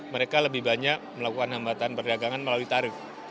mereka lebih banyak melakukan hambatan perdagangan melalui tarif